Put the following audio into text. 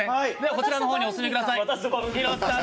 こちらの方にお進みください。